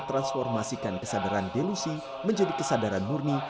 transformasikan kesadaran delusi menjadi kesadaran murni